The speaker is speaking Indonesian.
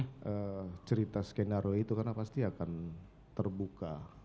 karena cerita skenario itu pasti akan terbuka